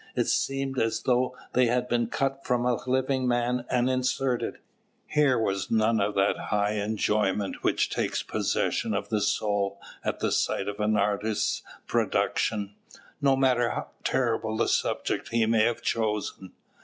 It seemed as though they had been cut from a living man and inserted. Here was none of that high enjoyment which takes possession of the soul at the sight of an artist's production, no matter how terrible the subject he may have chosen.